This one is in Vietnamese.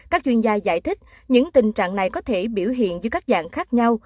các chuyên gia giải thích những tình trạng này có thể biểu hiện dưới các dạng khác nhau